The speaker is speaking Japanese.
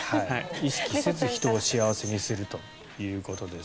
意識せず人を幸せにするということです。